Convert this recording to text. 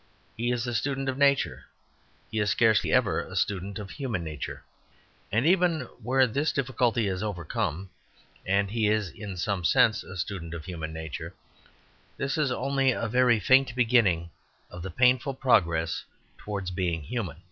He is a student of nature; he is scarcely ever a student of human nature. And even where this difficulty is overcome, and he is in some sense a student of human nature, this is only a very faint beginning of the painful progress towards being human.